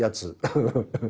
フフフッ。